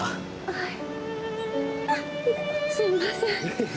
はい。